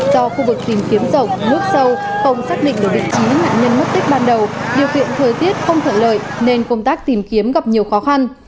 do khu vực tìm kiếm rộng nước sâu không xác định được vị trí nạn nhân mất tích ban đầu điều kiện thời tiết không thuận lợi nên công tác tìm kiếm gặp nhiều khó khăn